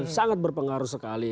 sangat berpengaruh sekali